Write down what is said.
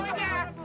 kamu harus lari ibu